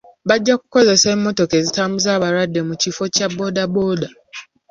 Bajja kukozesa emmotoka ezitambuza abalwadde mu kifo kya boodabooda.